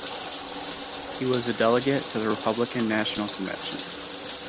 He was a delegate to the Republican National Convention.